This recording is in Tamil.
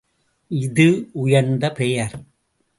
இது உயர்ந்த பெயர்.